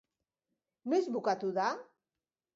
Noiz bukatu da?